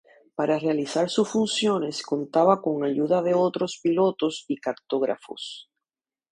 Para realizar sus funciones contaba con ayuda de otros pilotos y cartógrafos.